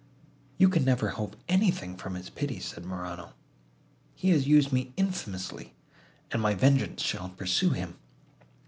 "You can never hope anything from his pity," said Morano, "he has used me infamously, and my vengeance shall pursue him.